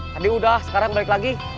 tadi udah sekarang balik lagi